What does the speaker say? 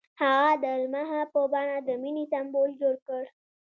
هغه د لمحه په بڼه د مینې سمبول جوړ کړ.